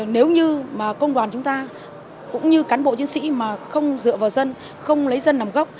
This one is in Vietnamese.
nếu như mà công đoàn chúng ta cũng như cán bộ chiến sĩ mà không dựa vào dân không lấy dân làm gốc